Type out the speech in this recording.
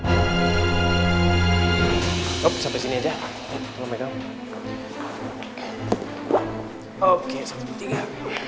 oke satu dua tiga